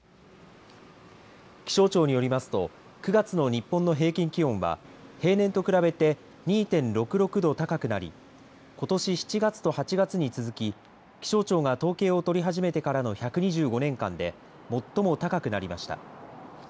気象庁によりますと９月の日本の平均気温は平年と比べて２．６６度高くなりことし７月と８月に続き気象庁が統計を取り始めてからの１２５年間で最も高くなりました。